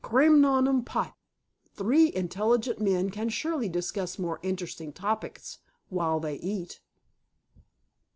Cré nom d'un pipe! Three intelligent men can surely discuss more interesting topics while they eat!"